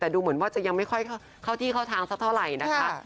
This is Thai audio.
แต่ดูเหมือนว่าจะยังไม่ค่อยเข้าที่เข้าทางสักเท่าไหร่นะคะ